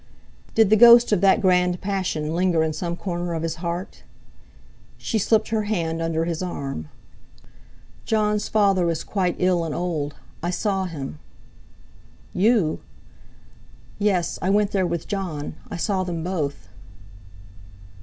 Did the ghost of that grand passion linger in some corner of his heart? She slipped her hand under his arm. "Jon's father is quite ill and old; I saw him." "You—?" "Yes, I went there with Jon; I saw them both."